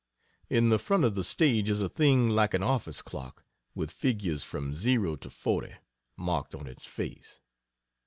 In the front of the stage is a thing like an office clock, with figures from 0 to 40, marked on its face.